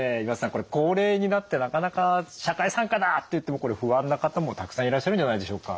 これ高齢になってなかなか社会参加だっていっても不安な方もたくさんいらっしゃるんじゃないでしょうか。